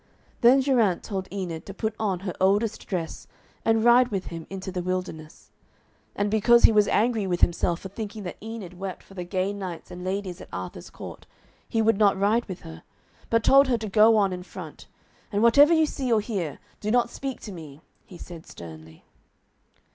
Then Geraint told Enid to put on her oldest dress and ride with him into the wilderness. And because he was angry with himself for thinking that Enid wept for the gay knights and ladies at Arthur's court, he would not ride with her, but told her to go on in front, and 'whatever you see or hear, do not speak to me,' he said sternly.